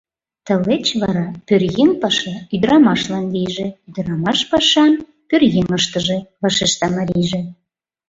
— Тылеч вара пӧръеҥ паша ӱдырамашлан лийже, ӱдырамаш пашам пӧръеҥ ыштыже, — вашешта марийже.